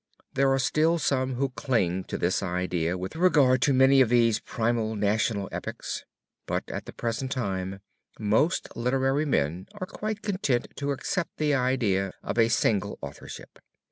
There are still some who cling to this idea with regard to many of these primal national epics, but at the present time most literary men are quite content to accept the idea of a single authorship.